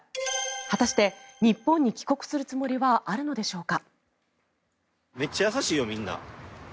果たして、日本に帰国するつもりはあるのでしょうか。